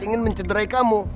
ingin mencederai kamu